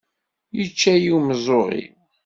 Yečča-yi umeẓẓuɣ-iw.